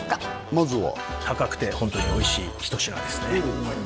まずは高くてホントにおいしい一品ですね